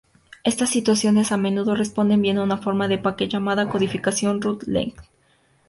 Estas situaciones a menudo responden bien a una forma de paquete llamada codificación run-length.